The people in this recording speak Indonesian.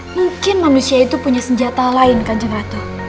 mungkin manusia itu punya senjata lain kanjeng ratu